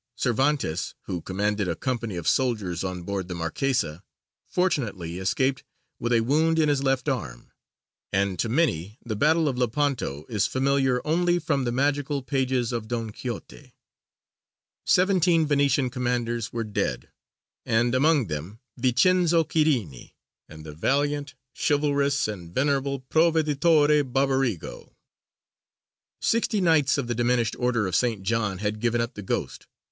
Cervantes, who commanded a company of soldiers on board the Marquesa, fortunately escaped with a wound in his left arm; and to many the Battle of Lepanto is familiar only from the magical pages of Don Quixote. Seventeen Venetian commanders were dead, and among them Vicenzo Quirini and the valiant, chivalrous, and venerable Proveditore Barbarigo. Sixty Knights of the diminished Order of St. John had given up the ghost.